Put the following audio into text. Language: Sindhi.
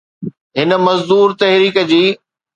هن مزدور تحريڪ جي